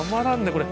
これ。